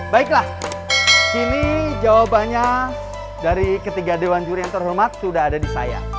baiklah kini jawabannya dari ketiga dewan juri yang terhormat sudah ada di saya